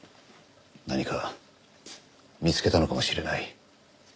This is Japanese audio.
何か見つけたのかもしれない。